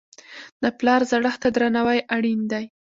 د پلار زړښت ته درناوی اړین دی.